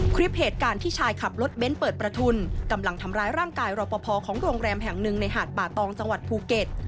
คลิปเหตุการณ์ที่ชายขับรถเบ้นเปิดประทุนกำลังทำร้ายร่างกายรอปภของโรงแรมแห่งหนึ่งในหาดป่าตองจังหวัดภูเก็ต